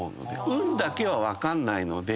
運だけは分かんないので。